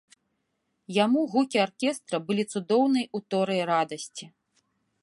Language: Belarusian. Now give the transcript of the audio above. Яму гукі аркестра былі цудоўнай уторай радасці.